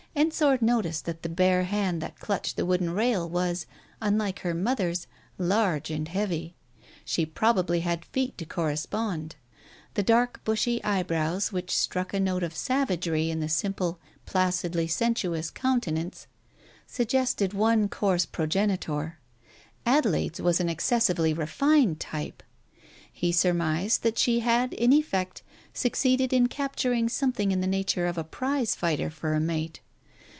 Ensor noticed that the bare hand that clutched the wooden rail was, unlike her mother's, large and heavy. She probably had feet to correspond. The dark, bushy eyebrows, which struck a note of savagery in the simple, placidly sensuous counte nance, suggested one coarse progenitor ; Adelaide's was an excessively refined type. He surmised that she had in effect succeeded in capturing something in the nature of a prize fighter for a mate.